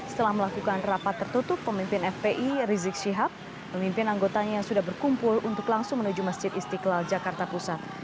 setelah melakukan rapat tertutup pemimpin fpi rizik syihab memimpin anggotanya yang sudah berkumpul untuk langsung menuju masjid istiqlal jakarta pusat